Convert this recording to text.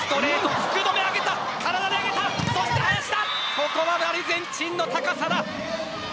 ここはアルゼンチンの高さだ。